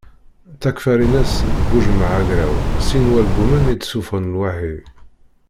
Takfarinas d Buǧemɛa Agraw sin n walbumen i d-ssufɣen lwaḥi.